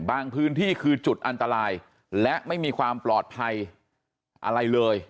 พื้นที่คือจุดอันตรายและไม่มีความปลอดภัยอะไรเลย